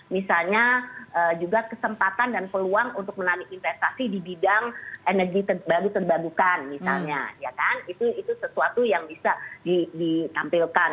misalnya juga kesempatan dan peluang untuk menarik investasi di bidang energi baru terbarukan misalnya ya kan itu sesuatu yang bisa ditampilkan